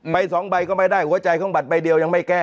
ใบสองใบก็ไม่ได้หัวใจของบัตรใบเดียวยังไม่แก้